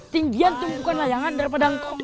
tinggian tuh bukan layangan daripada ngkong